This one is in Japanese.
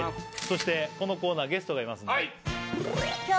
そしてこのコーナーゲストがいます